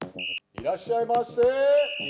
いらっしゃいませ！